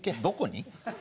どこに？